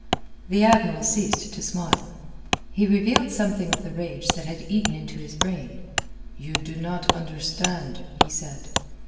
The Admiral ceased to smile. He revealed something of the rage that had eaten into his brain. "You do not understand," he said.